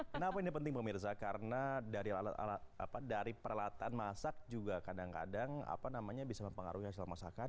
kenapa ini penting pemirsa karena dari peralatan masak juga kadang kadang bisa mempengaruhi hasil masakan